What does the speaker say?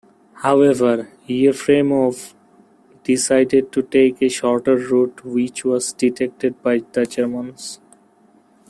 However, Yefremov decided to take a shorter route which was detected by the Germans.